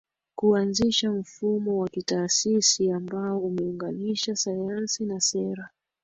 kuanzisha mfumo wa kitaasisi ambao umeunganisha sayansi na sera